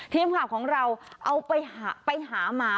ทีมข่าวของเราเอาไปหาหมา